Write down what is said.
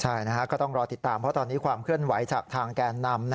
ใช่ก็ต้องรอติดตามเพราะตอนนี้ความเคลื่อนไหวจากทางแกนนำ